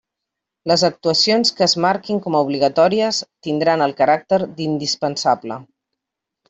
Les actuacions que es marquin com a obligatòries, tindran el caràcter d'indispensable.